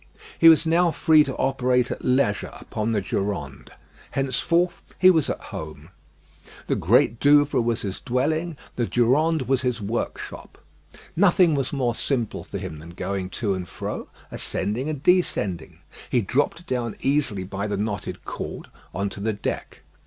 He was now free to operate at leisure upon the Durande. Henceforth he was at home. The Great Douvre was his dwelling; the Durande was his workshop. Nothing was more simple for him than going to and fro, ascending and descending. He dropped down easily by the knotted cord on to the deck.